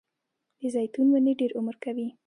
د زیتون ونې ډیر عمر کوي